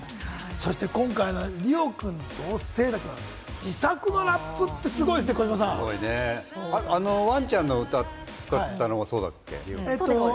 そして今回、リオくんとセイタくん、自作のラップってすごいですね、これまた。すごいね、あのワンちゃんの作ったの、そうだっけ？